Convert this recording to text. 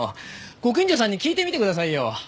ご近所さんに聞いてみてくださいよ。